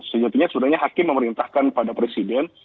sejatinya sebenarnya hakim memerintahkan pada presiden